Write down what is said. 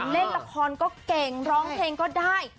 เล่นละครก็เก่งร้องเพลงก็ได้